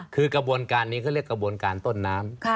คือกระบวนการนี้เขาเรียกกระบวนการต้นน้ำ